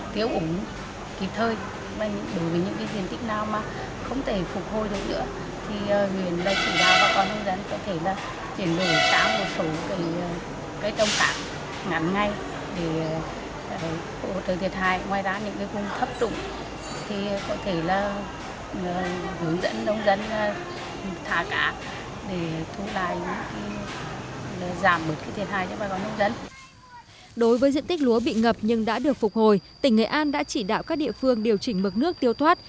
trong đó diện tích lúa bị ngập nhưng đã được phục hồi tỉnh nghệ an đã chỉ đạo các địa phương điều chỉnh mực nước tiêu thoát